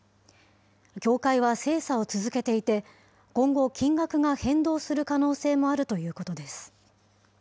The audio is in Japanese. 協会は精査を続けていて、今後、金額が変動する可能性もあるということです。